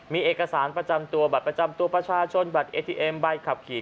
มีเอกสารประจำตัวบัตรประจำตัวประชาชนบัตรเอทีเอ็มใบขับขี่